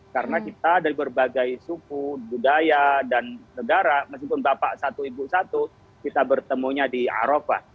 karena kita dari berbagai suku budaya dan negara meskipun bapak satu ibu satu kita bertemunya di arafah